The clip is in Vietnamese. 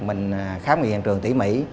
mình khám nghiện trường tỉ mỹ